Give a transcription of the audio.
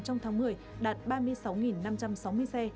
trong tháng một mươi đạt ba mươi sáu năm trăm sáu mươi xe